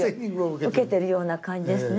受けてるような感じですね。